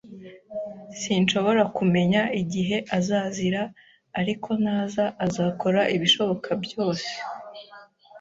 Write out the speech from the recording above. Sinshobora kumenya igihe azazira, ariko naza, azakora ibishoboka byose